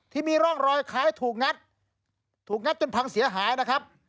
ที่มีร่องรอยคล้ายถูกงัดถูกงัดจนพังเสียหายนะครับ